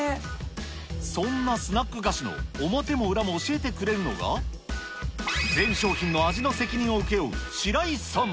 そんなスナック菓子の表も裏も教えてくれるのが、全商品の味の責任を請け負う白井さん。